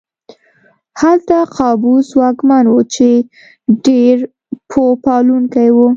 هلته قابوس واکمن و چې ډېر پوه پالونکی و.